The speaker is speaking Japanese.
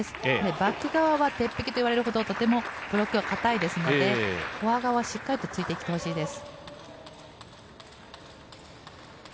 バック側は鉄壁といわれるほどとてもブロックが堅いですのでフォア側、しっかりと突いていってほしいです。